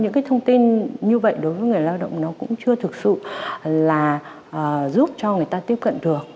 những cái thông tin như vậy đối với người lao động nó cũng chưa thực sự là giúp cho người ta tiếp cận được